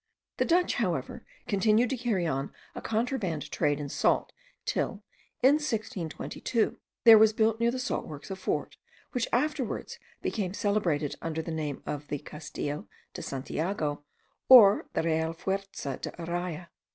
The Dutch, however, continued to carry on a contraband trade in salt till, in 1622, there was built near the salt works a fort, which afterwards became celebrated under the name of the Castillo de Santiago, or the Real Fuerza de Araya.